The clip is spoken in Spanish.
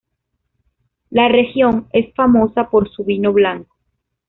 La región es famosa por su vino blanco.